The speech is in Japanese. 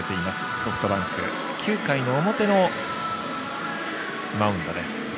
ソフトバンク９回の表のマウンドです。